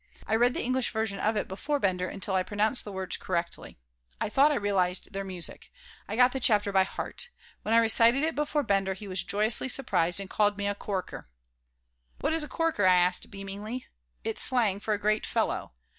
I read the English version of it before Bender until I pronounced the words correctly. I thought I realized their music. I got the chapter by heart. When I recited it before Bender he was joyously surprised and called me a "corker." "What is a corker?" I asked, beamingly "It's slang for 'a great fellow.'"